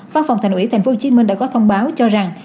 văn phòng thành ủy thành phố hồ chí minh đã có thông báo cho rằng